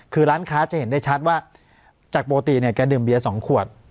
คือร้านค้าจะเห็นได้ชัดว่าจากปกติเนี่ยแกดื่มเบียร์๒ขวด